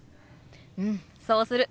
うんそうする！